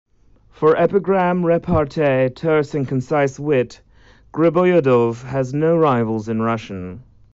For epigram, repartee, terse and concise wit, Griboyedov has no rivals in Russian.